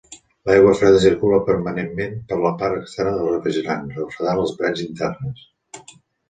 L'aigua freda circula permanentment per la part externa del refrigerant, refredant les parets internes.